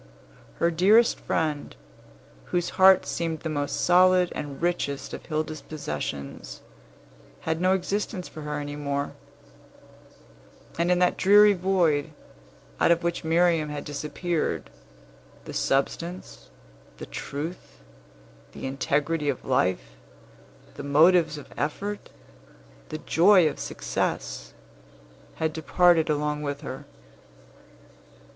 Her dearest friend, whose heart seemed the most solid and richest of Hilda's possessions, had no existence for her any more; and in that dreary void, out of which Miriam had disappeared, the substance, the truth, the integrity of life, the motives of effort, the joy of success, had departed along with her.